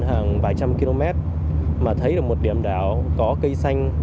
hàng vài trăm km mà thấy được một điểm đảo có cây xanh